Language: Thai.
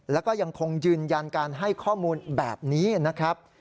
แล้วก็ยังคงยืนยันการให้ข้อมูลแบบนี้นะครับ